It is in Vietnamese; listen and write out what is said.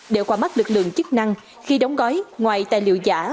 đều qua mắt lực lượng chức năng khi đóng gói ngoài tài liệu giả